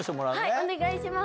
お願いします。